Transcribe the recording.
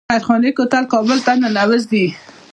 د خیرخانې کوتل کابل ته ننوځي